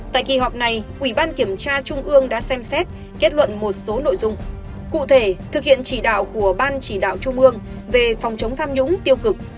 tại kỳ họp này ủy ban kiểm tra trung ương đã xem xét kết luận một số nội dung cụ thể thực hiện chỉ đạo của ban chỉ đạo trung ương về phòng chống tham nhũng tiêu cực